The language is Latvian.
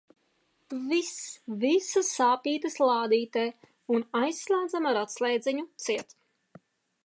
Viss, visas sāpītes lādītē un aizslēdzam ar atslēdziņu ciet.